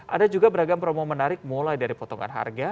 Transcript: ada juga beragam promo menarik mulai dari potongan harga